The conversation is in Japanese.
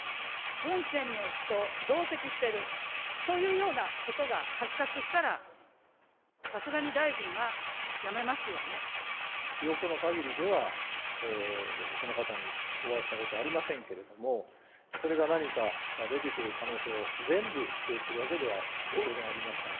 文鮮明氏と同席しているというようなことが発覚したら、記憶の限りでは、その方にお会いしたことはありませんけれども、それが何か出てくる可能性を全部否定するわけでは当然ありません。